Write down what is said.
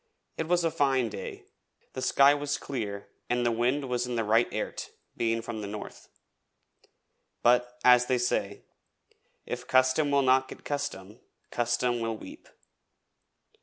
It was a fine day, the sky was clear and the wind was in the right airt, being from the north. But, as they say, 'If custom will not get custom, custom will weep.'